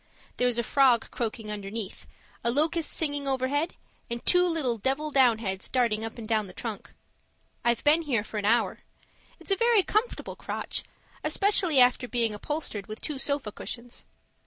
There's a frog croaking underneath, a locust singing overhead and two little 'devil downheads' darting up and down the trunk. I've been here for an hour; it's a very comfortable crotch, especially after being upholstered with two sofa cushions.